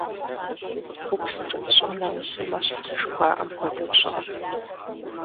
Ӏупсыр щӀым нэмысыу мэщт жыхуаӏэм хуэдэу щӏыӏэт.